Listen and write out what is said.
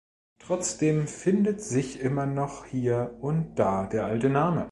Trotzdem findet sich immer noch hier und da der alte Name.